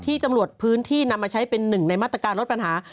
เออที่ตำรวจพื้นที่นำมาใช้เป็น๑ในมาตอะการลดปัญหา